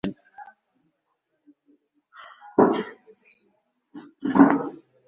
nubwo tom yari atarakingura agasanduku, yari afite igitekerezo cyiza imbere